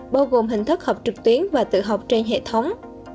bao gồm hình thức học trực tuyến và tự học trên hệ thống